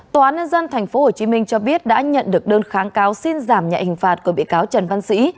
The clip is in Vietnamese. tòa án nhân dân tp hcm cho biết đã nhận được đơn kháng cáo xin giảm nhạy hình phạt của bị cáo trần văn sĩ